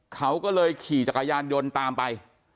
เขาก็เลยขี่จักรยานยนต์ตามไป